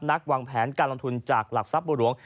วางแผนการลงทุนจากหลักทรัพย์บัวหลวง